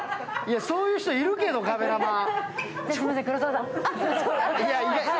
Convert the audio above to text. そういう人いるけど、カメラマン。